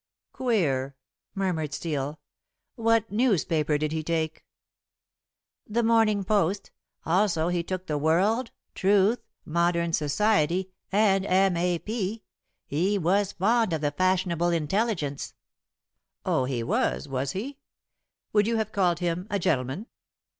"Queer," murmured Steel. "What newspaper did he take?" "The Morning Post. Also he took the World, Truth, Modern Society, and M. A. P. He was fond of the fashionable intelligence." "Oh, he was, was he? Would you have called him a gentleman?"